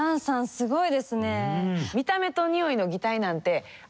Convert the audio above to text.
すごいですね。